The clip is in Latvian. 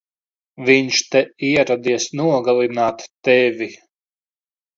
Viņš te ieradies nogalināt tevi!